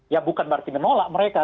ya bukan berarti menolak mereka